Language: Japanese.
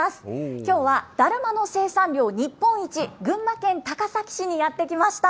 きょうはだるまの生産量日本一、群馬県高崎市にやって来ました。